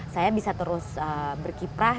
saya bisa terus berkiprah